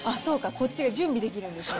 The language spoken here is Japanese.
こっちが準備できるんですね。